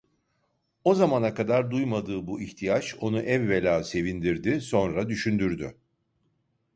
O zamana kadar duymadığı bu ihtiyaç onu evvela sevindirdi, sonra düşündürdü.